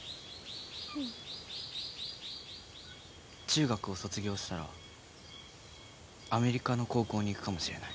中学を卒業したらアメリカの高校に行くかもしれない。